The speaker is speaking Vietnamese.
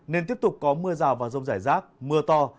nên tiếp tục có mưa rào và rông rào